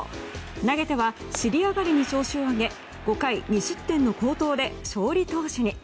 投げては尻上がりに調子を上げ５回２失点の好投で勝利投手に。